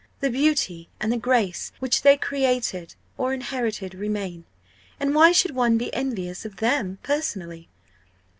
The beauty and the grace which they created or inherited remain. And why should one be envious of them personally?